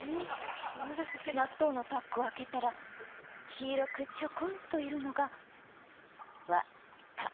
納豆のパックを開けたら黄色くちょこんといるのがわ・た・